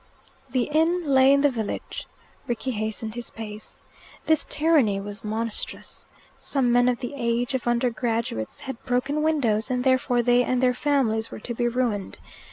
The inn lay up in the village. Rickie hastened his pace. This tyranny was monstrous. Some men of the age of undergraduates had broken windows, and therefore they and their families were to be ruined.